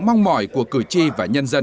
mong mỏi của quốc hội